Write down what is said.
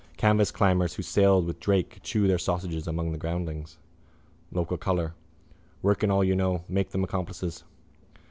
Canvasclimbers who sailed with Drake chew their sausages among the groundlings. Local colour. Work in all you know. Make them accomplices.